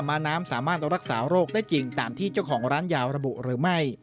ม้าน้ำสามารถรักษาโรคได้จริงตามที่เจ้าของร้านยาวระบุหรือไม่